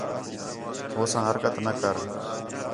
ہو ساں حرکت نہ کر